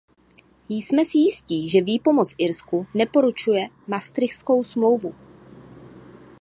Jsme si jistí, že výpomoc Irsku neporušuje Maastrichtskou smlouvu?